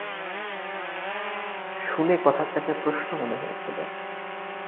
শুনে কথাটাকে প্রশ্ন মনে হয়েছিল।